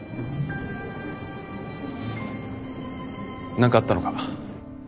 何かあったのか？